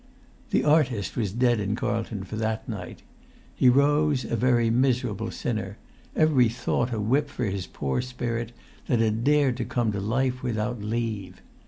The artist was dead in Carlton for that night. He rose a very miserable sinner, every thought a whip for his poor spirit that had dared to come to life without leave.